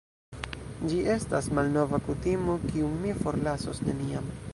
Ĝi estas malnova kutimo, kiun mi forlasos neniam.